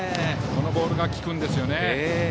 このボールが効くんですよね。